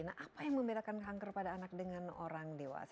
nah apa yang membedakan kanker pada anak dengan orang dewasa